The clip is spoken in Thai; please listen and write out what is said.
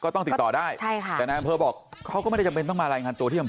ต้องติดต่อได้ใช่ค่ะแต่นายอำเภอบอกเขาก็ไม่ได้จำเป็นต้องมารายงานตัวที่อำเภอ